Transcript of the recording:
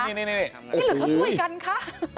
นี่เหลือทะทวยกันค่ะ